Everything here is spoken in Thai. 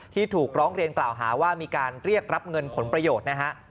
ที่ถูกร้องเรียนกล่าวหาว่ามีการเรียกรับเงินผลประโยชน์นะฮะ